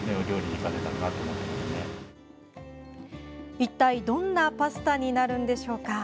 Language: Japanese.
一体どんなパスタになるんでしょうか？